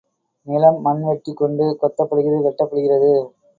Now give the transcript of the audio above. நிலம் மண்வெட்டி கொண்டு கொத்தப் படுகிறது வெட்டப்படுகிறது.